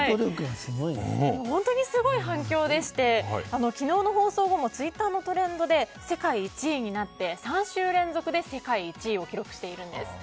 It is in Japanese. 本当にすごい反響でして昨日の放送後もツイッターのトレンドで世界１位になって３週連続で世界１位を記録しているんです。